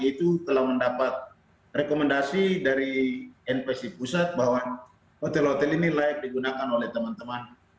itu telah mendapat rekomendasi dari npc pusat bahwa hotel hotel ini layak digunakan oleh teman teman